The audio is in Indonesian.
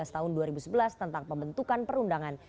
dua belas tahun dua ribu sebelas tentang pembentukan perundangan